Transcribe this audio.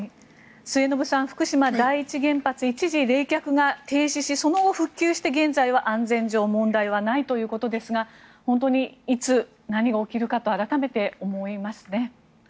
末延さん、福島第一原発一時、冷却が停止しその後、復旧して、現在は安全上問題がないということですが本当に、いつ何が起きるかと改めて思いますね。